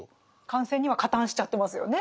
感染には加担しちゃってますよね